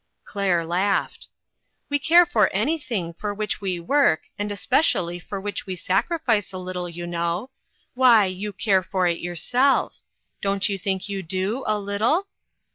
Claire laughed. " We care for anything for which we work, and especially for which we sacrifice a little, you know. Wh} r , you care for it yourself. Don't you think you do, a little